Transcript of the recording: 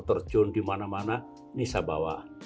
terjun dimana mana ini saya bawa